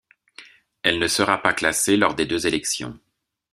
Elle ne sera pas classée lors des deux élections.